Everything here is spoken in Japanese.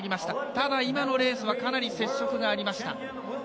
ただ、今のレースはかなり接触がありました。